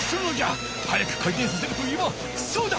はやく回転させるといえばそうだ！